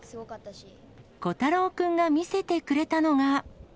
虎太郎君が見せてくれたのが。